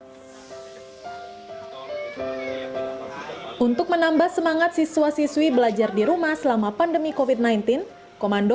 hai untuk menambah semangat siswa siswi belajar di rumah selama pandemi kovid sembilan belas komando